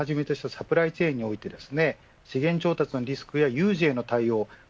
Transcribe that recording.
これは半導体をはじめとしたサプライチェーンにおいて資源調達のリスクや有事への対応